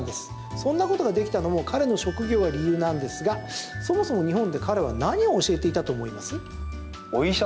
そんなことができたのも彼の職業が理由なんですがそもそも日本で彼は何を教えていたと思います？